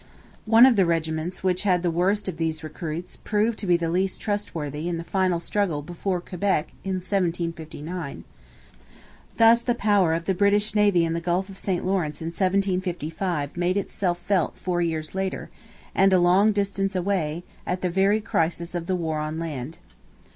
One of the regiments, which had the worst of these recruits, proved to be the least trust. worthy in the final struggle before Quebec in 1759. Thus the power of the British navy in the Gulf of St Lawrence in 1755 made itself felt four years later, and a long distance away, at the very crisis of the war on land.